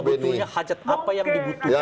sebetulnya hajat apa yang dibutuhkan